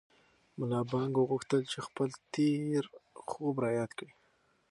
ملا بانګ وغوښتل چې خپل تېر خوب را یاد کړي.